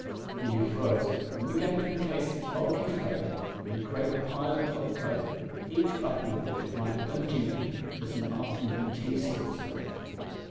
The youth rose and began to encase his bulky frame in a great pilot cloth coat, each button of which might have done duty as an afternoon tea saucer.